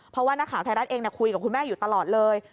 เพราะว่านักข่าวไทยรัฐเองคุยกับคุณแม่อยู่ตลอดเลย